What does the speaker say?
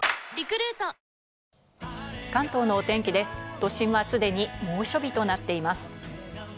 都心はすでに猛暑日となっています。